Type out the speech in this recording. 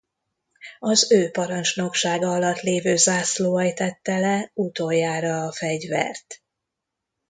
Az ő parancsnoksága alatt lévő zászlóalj tette le utoljára a fegyvert.